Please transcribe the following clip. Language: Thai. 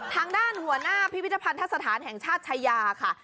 ทางด้านหัวหน้าพิพิธภัณฑสถานแห่งชาติชายาค่ะ